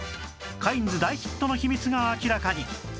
カインズ大ヒットの秘密が明らかに